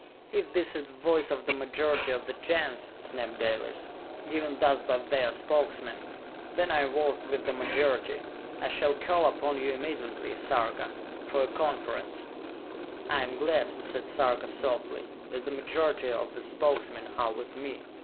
"If this is the voice of the majority of the Gens," snapped Dalis, "given thus by their Spokesmen, then I vote with the majority! I shall call upon you immediately, Sarka, for a conference!" "I am glad," said Sarka softly, "that the majority of the Spokesmen are with me.